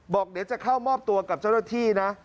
บอกเดี๋ยวจะเข้ามอบตัวกับเจ้าหน้าที่นะ